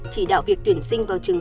chỉ đạo việc tuyển sinh vào trường